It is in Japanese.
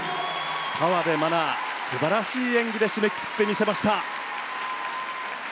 河辺愛菜、素晴らしい演技で締めくくって見せました。